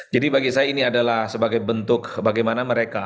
jadi bagi saya ini adalah sebagai bentuk bagaimana mereka